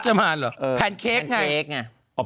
พจมานหรอแปนเค้กไง